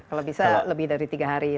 kalau bisa lebih dari tiga hari